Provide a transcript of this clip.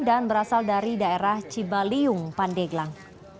dan berasal dari daerah cibaliyung pandeglang